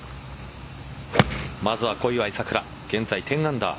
まずは小祝さくら現在１０アンダー。